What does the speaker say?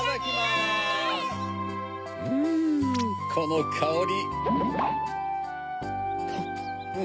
うんこのかおり。